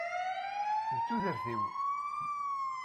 D tudert-iw.